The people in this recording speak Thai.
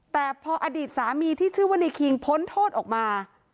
แต่พออดีตสามีที่ชื่อว่าในคิงพ้นโทษออกมา